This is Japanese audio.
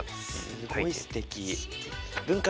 すごいすてき。